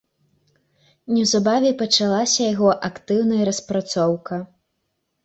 Неўзабаве пачалася яго актыўная распрацоўка.